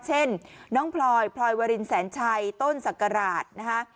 เช่นน้องพลอยพลอยวรินแสนชัยต้นศักราชนะคะ